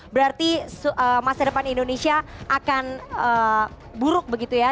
berarti masa depan indonesia akan buruk begitu ya